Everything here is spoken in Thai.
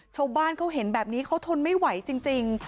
ชาวบ้านเขาเห็นแบบนี้เขาทนไม่ไหวจริง